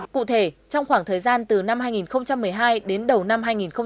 cụ thể trong khoảng thời gian từ năm hai nghìn một mươi hai đến đầu năm hai nghìn một mươi chín